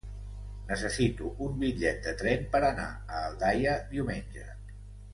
Necessito un bitllet de tren per anar a Aldaia diumenge.